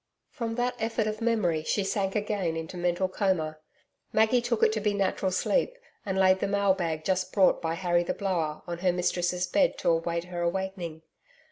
From that effort of memory she sank again into mental coma. Maggie took it to be natural sleep, and laid the mailbag just brought by Harry the Blower, on her mistress' bed to await her awakening.